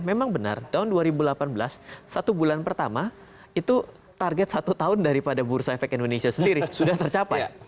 memang benar tahun dua ribu delapan belas satu bulan pertama itu target satu tahun daripada bursa efek indonesia sendiri sudah tercapai